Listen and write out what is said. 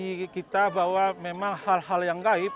kami harus mengingatkan bahwa memang hal hal yang gaib